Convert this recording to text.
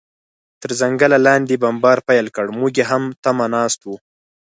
تر ځنګله لاندې بمبار پیل کړ، موږ یې هم تمه ناست و.